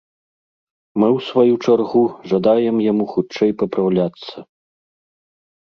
Мы ў сваю чаргу жадаем яму хутчэй папраўляцца!